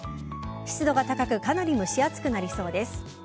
湿度が高くかなり蒸し暑くなりそうです。